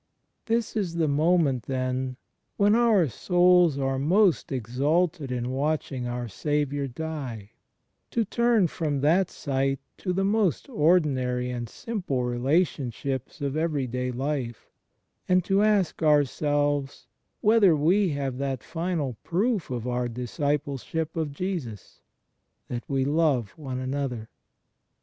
This is the moment, then, when our souls are most exalted in watching our Saviour die, to turn from that sight to the most ordinary and simple relationships of everyday life, and to ask ourselves whether we have CHRIST IN HIS HISTORICAL LIFE I3I that final proof of our discipleship of Jesus — that we love one another.